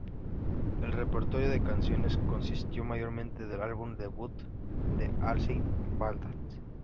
El repertorio de canciones consistió mayormente del álbum debut de Halsey, "Badlands".